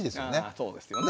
そうですよね。